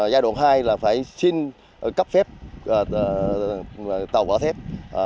giai đoạn hai là phải xin cấp phép tàu vỏ thép